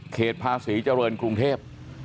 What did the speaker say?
เขตพาศรีเจริญกรุงเทพฯ